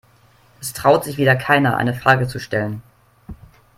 Es traut sich wieder keiner, eine Frage zu stellen.